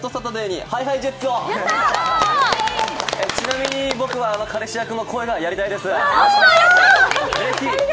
ちなみに僕は彼氏役の声がやりたいです！